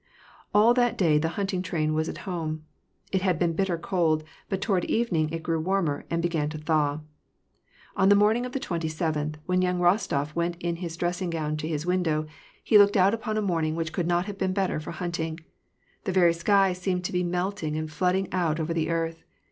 All that day the hunting train was at home. It had been bitter cold, but toward evening it grew warmer and began to thaw. On tlie morning of the twenty seventh, when yoang Kostof went in his dressing gown to his window, he looked out upon a morning which could not have been better for hunting : the very sky seemed to be melting and flooding out over the earth.